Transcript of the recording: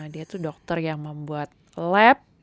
dia tuh dokter yang membuat lab